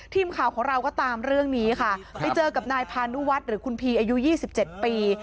ทีมข่าวของเราก็ตามเรื่องนี้ค่ะไปเจอกับนายพานุวัฒน์หรือคุณพีอายุ๒๗ปี